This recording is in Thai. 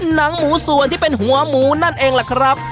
หนังหมูส่วนที่เป็นหัวหมูนั่นเองล่ะครับ